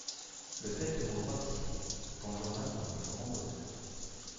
Le fait de recevoir Sylvie plonge Horace dans le plus grand bonheur.